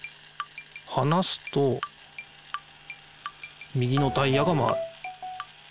はなすと右のタイヤが回る。